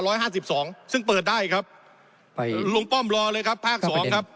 ห้าสิบสองซึ่งเปิดได้ครับลุงป้อมรอเลยครับภาคสองครับ